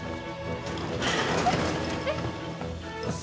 えっ。